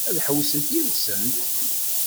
Ad ḥewwsent yid-sent?